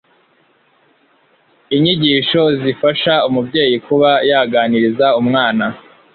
inyigisho zifasha umubyeyi kuba yaganiriza umwana.